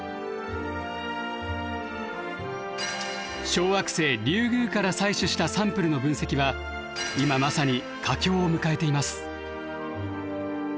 小惑星リュウグウから採取したサンプルの分析は今まさに佳境を迎えています。